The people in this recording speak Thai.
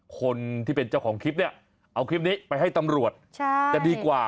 คนที่เป็นเจ้าของคลิปเนี่ยเอาคลิปนี้ไปให้ตำรวจจะดีกว่า